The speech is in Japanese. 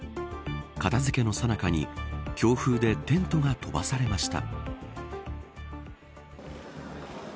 片付けのさなかに強風でテントが飛ばされました。